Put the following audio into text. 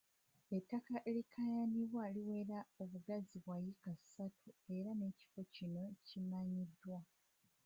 Ettaka erikaayanirwa liwera obugazi bwa yiika ssatu era ng’ekifo kino kimanyiddwa.